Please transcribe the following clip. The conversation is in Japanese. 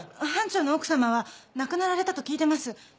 班長の奥さまは亡くなられたと聞いてます。